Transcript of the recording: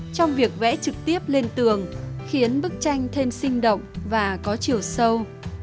trong việc vẽ trực tiếp lên tường khiến bức tranh thêm sinh động và có chiều sâu